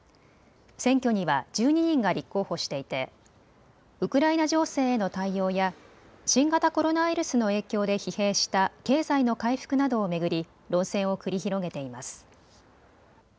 選挙には１２人が立候補していてウクライナ情勢への対応や新型コロナウイルスの影響で疲弊した経済の回復などを巡り論戦を繰り広げています。